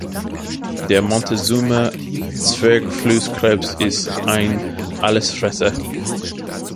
Der Montezuma-Zwergflusskrebs ist ein Allesfresser.